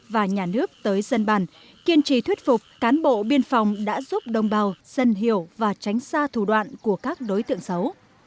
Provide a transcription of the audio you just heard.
và nhà nước tới dân bàn kiên trì thuyết phục cán bộ biên phòng đã giúp đồng bào dân hiểu và tránh xa thủ đoạn của các đối tượng xấu